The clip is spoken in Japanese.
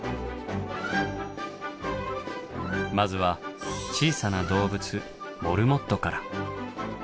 まずは小さな動物モルモットから。